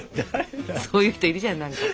そういう人いるじゃん何か。